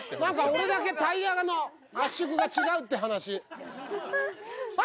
俺だけタイヤの圧縮が違うって話。